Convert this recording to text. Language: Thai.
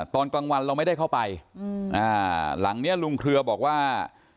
ตอนกลางวันเราไม่ได้เข้าไปหลังเนี้ยลุงเครือบอกว่า